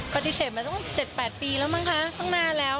ปฏิเสธมาตั้ง๗๘ปีแล้วมั้งคะตั้งนานแล้ว